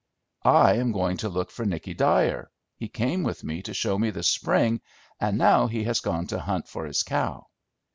"I am going to look for Nicky Dyer. He came with me to show me the spring, and now he has gone to hunt for his cow."